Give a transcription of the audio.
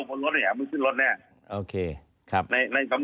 หลบอยู่ทางไอ้เก็บหองนะครับ